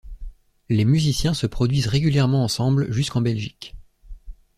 Les musiciens se produisent régulièrement ensemble jusqu'en Belgique.